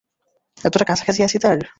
কতটা কাছাকাছি আছি তার?